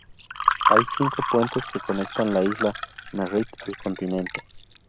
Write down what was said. Hay cinco puentes que conectan la isla Merritt al continente.